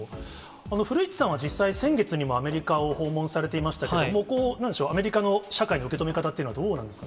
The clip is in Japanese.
古市さんは実際、先月にもアメリカを訪問されていましたけれども、なんでしょう、アメリカの社会の受け止め方というのはどうなんですかね。